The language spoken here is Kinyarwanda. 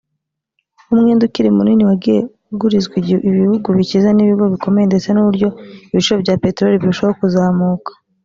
umwenda ukiri munini wagiye ugurizwwa ibihugu bikize n’ibigo bikomeye ndetse n’uburyo ibiciro bya peteroli birushaho kuzamuka